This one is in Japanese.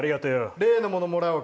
例のもの、もらおうか。